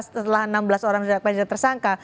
setelah enam belas orang dijerat penjerat tersangka